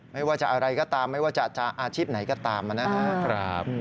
ไม่ว่าจะอะไรก็ตามไม่ว่าจะอาชีพไหนก็ตามนะครับ